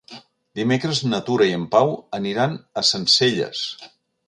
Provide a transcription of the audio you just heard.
Dimecres na Tura i en Pau aniran a Sencelles.